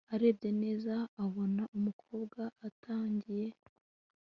arebye neza abona umukobwa atangiye